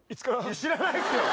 知らないっすよ。